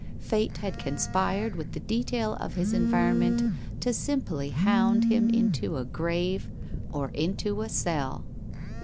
Fate had conspired with the detail of his environment to simply hound him into a grave or into a cell.